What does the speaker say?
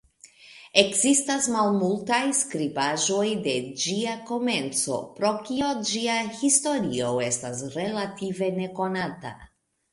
Ekzistas malmultaj skribaĵoj de ĝia komenco, pro kio ĝia historio estas relative nekonata.